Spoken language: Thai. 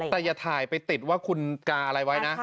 แต่อย่าถ่ายไปติดว่าคุณกาอะไรไว้นะ